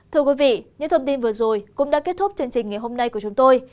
thưa quý vị những thông tin vừa rồi cũng đã kết thúc chương trình ngày hôm nay của chúng tôi